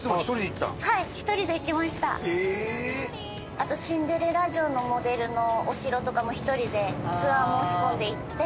あとシンデレラ城のモデルのお城とかも１人でツアー申し込んで行って。